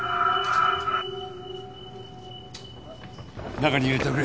中に入れてくれ。